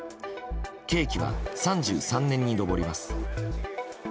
刑期は３３年に上ります。